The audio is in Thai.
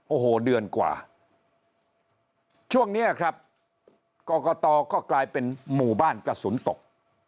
โอ้โหเดือนกว่าช่วงนี้ครับกรกตก็กลายเป็นหมู่บ้านกระสุนตก